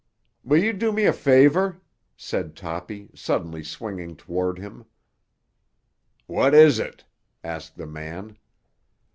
"Will you do me a favour?" said Toppy, suddenly swinging toward him. "What is it?" asked the man.